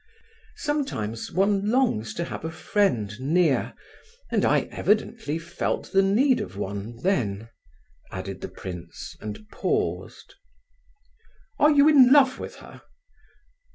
Sometimes one longs to have a friend near, and I evidently felt the need of one then," added the prince, and paused. "Are you in love with her?"